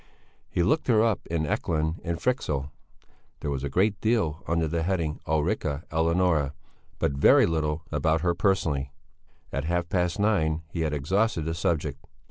He looked her up in Ekelund and Fryxell. There was a great deal under the heading Ulrica Eleonora, but very little about her personally. At half past nine he had exhausted the subject.